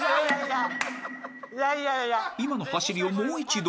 ［今の走りをもう一度］